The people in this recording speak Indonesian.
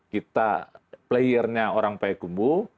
kita playernya orang pak hekumbu